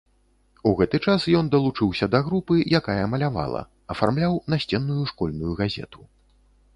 У гэты час ён далучыўся да групы, якая малявала, афармляў насценную школьную газету.